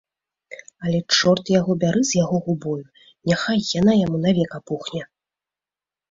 Але чорт яго бяры з яго губою, няхай яна яму навек апухне.